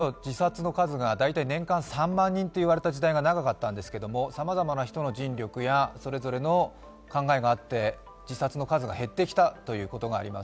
日本人の自殺の数が年間３万人といわれた時代が長かったんですけどさまざまな人の尽力やそれぞれの考えがあって自殺の数が減ってきたということがあります。